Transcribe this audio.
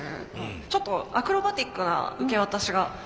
ちょっとアクロバティックな受け渡しがあるのかなって。